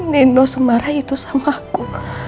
nino semarah itu sama aku